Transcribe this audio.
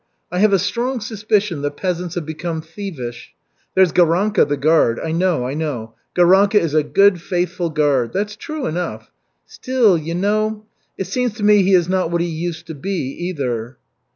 I have a strong suspicion the peasants have become thievish. There's Garanka, the guard I know, I know. Garanka is a good, faithful guard, that's true enough. Still, you know. It seems to me he is not what he used to be either."